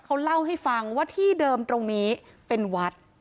เขาเล่าให้ฟังว่าที่เดิมตรงนี้เป็นวัด